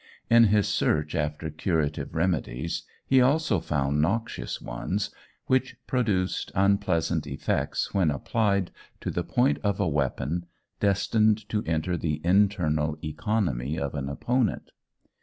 In his search after curative remedies he also found noxious ones, which produced unpleasant effects when applied to the point of a weapon destined to enter the internal economy of an opponent.